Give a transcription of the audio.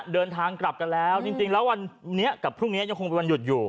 เดินทางกลับกันแล้วจริงแล้ววันนี้กับพรุ่งนี้ยังคงเป็นวันหยุดอยู่